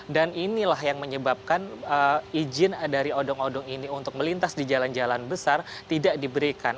dan inilah yang menyebabkan izin dari odong odong ini untuk melintas di jalan jalan besar tidak diberikan